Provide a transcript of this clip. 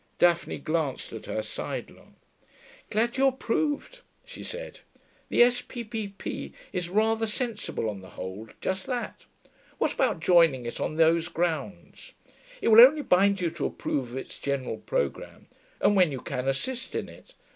Daphne glanced at her sidelong. 'Glad you approved,' she said. 'The S.P.P.P. is rather sensible, on the whole: just that.... What about joining it, on those grounds? It will only bind you to approve of its general programme, and, when you can, assist in it.